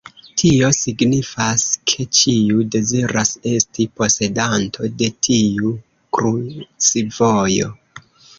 Tio signifas, ke ĉiu deziras esti posedanto de tiu krucvojo.